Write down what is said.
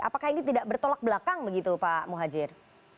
apakah ini tidak bertolak belakang begitu pak muhajir